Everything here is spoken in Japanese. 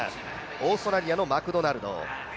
オーストラリアのマクドナルド。